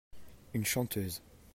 Une chanteuse.